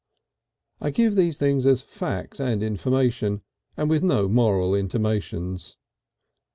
I give these things as facts and information, and with no moral intimations.